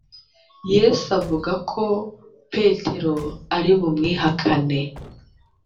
yesu avuga ko petero ari bumwihakane